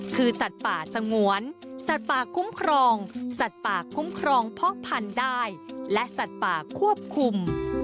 คือสัตว์ป่าสงวนสัตว์ป่าคุ้มครองสัตว์ป่าคุ้มครองเพาะพันธุ์ได้และสัตว์ป่าควบคุม